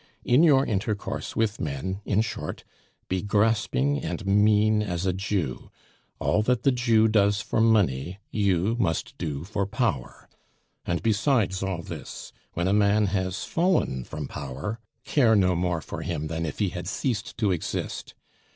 In your intercourse with men, in short, be grasping and mean as a Jew; all that the Jew does for money, you must do for power. And besides all this, when a man has fallen from power, care no more for him than if he had ceased to exist.